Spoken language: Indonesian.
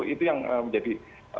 itu yang menjadi